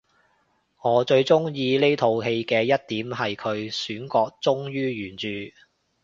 我最鍾意呢套戲嘅一點係佢選角忠於原著